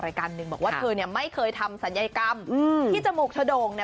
รายการนึงบอกว่าเธอไม่เคยทำสัญญากรรมที่จมูกเฉดนม